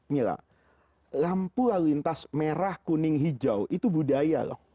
mila lampu lalu lintas merah kuning hijau itu budaya loh